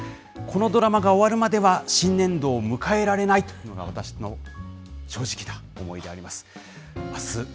このドラマが終わるまでは新年度を迎えられないというのが、私の正直な思いであります。